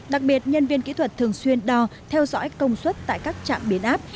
đặc biệt nhân viên kỹ thuật thường xuyên đo theo dõi công suất tại các trạm biến áp